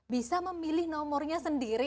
bisa memilih nomornya sendiri